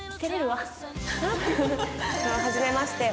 はじめまして。